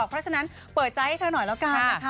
เพราะฉะนั้นเปิดใจให้เธอหน่อยละกัน